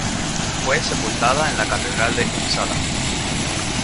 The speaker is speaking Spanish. Fue sepultada en la catedral de Upsala.